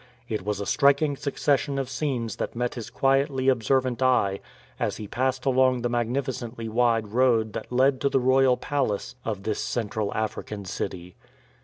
It was a striking succession of scenes that met his quietly obser vant eye as he passed along the magnificently wide road that led to the royal palace of this Central African city.